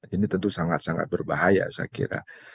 ini tentu sangat sangat berbahaya saya kira